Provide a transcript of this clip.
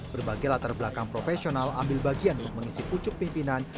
berbagai latar belakang profesional ambil bagian untuk mengisi pucuk pimpinan